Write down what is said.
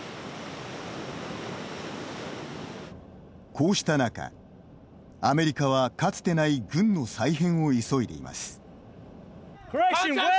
こうした中、アメリカはかつてない軍の再編を急いでいます。